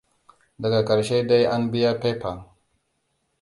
Daga ƙarshe dai an biya piper.